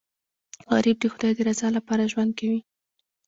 غریب د خدای د رضا لپاره ژوند کوي